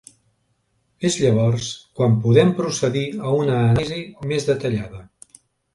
És llavors quan podem procedir a una anàlisi més detallada.